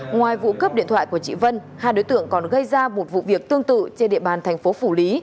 ngoài vụ cướp điện thoại của chị vân hai đối tượng còn gây ra một vụ việc tương tự trên địa bàn thành phố phủ lý